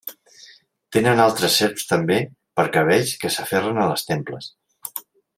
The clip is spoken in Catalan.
Tenen altres serps també, per cabells, que s'aferren a les temples.